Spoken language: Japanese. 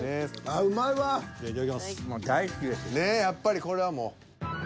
やっぱりこれはもう。